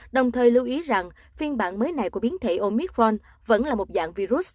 đồng thời lưu ý rằng phiên bản mới này của biến thể omitron vẫn là một dạng virus